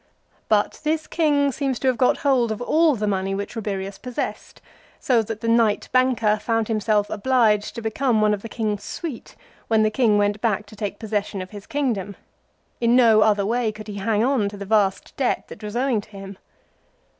But this king seems to. have got hold of all the money which Rabirius possessed, so that the knight banker found himself obliged to become one of the king's suite when the king went back to take possession of his kingdom. In no other way could he hang on to the vast debt that was owing to him.